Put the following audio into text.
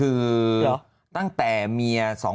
คือตั้งแต่เมีย๒๕๖